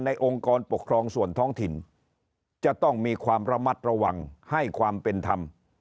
องค์กรปกครองส่วนท้องถิ่นจะต้องมีความระมัดระวังให้ความเป็นธรรม